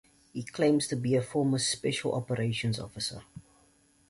He claims to be a former special operations officer.